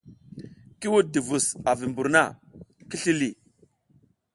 Ki wuɗ duvus a vi mbur na, ki sli ləh.